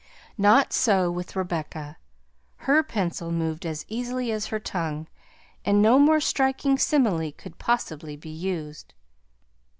Not so with Rebecca; her pencil moved as easily as her tongue, and no more striking simile could possibly be used.